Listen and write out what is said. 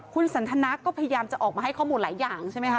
คุณสันทนาก็พยายามจะออกมาให้ข้อมูลหลายอย่างใช่ไหมคะ